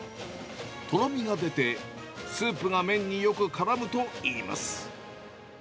とろみが出て、スープが麺によくからむといいます。